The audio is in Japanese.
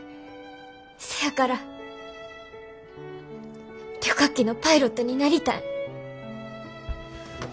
せやから旅客機のパイロットになりたい。